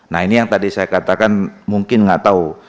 nah ini yang tadi saya katakan mungkin nggak tahu